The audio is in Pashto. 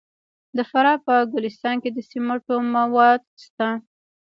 د فراه په ګلستان کې د سمنټو مواد شته.